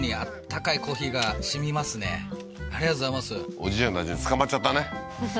おじいちゃんたちに捕まっちゃったねふふ